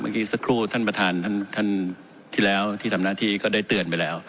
เมื่อกี้สักครู่ท่านประธานที่ทำหน้าที่ก็ได้เตือนไปแล้ว